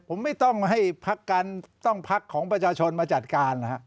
ผมไม่ต้องให้ต้องพักของประชาชนมาจัดการนะฮะ